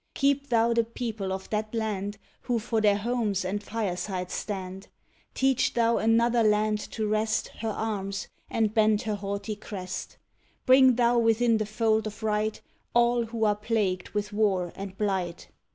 Keep Thou the people of that land, Who for their homes and firesides stand; Teach Thou another land to rest Her arms, and bend her haughty crest! Bring Thou within the fold of right All who are plagued with war and blight!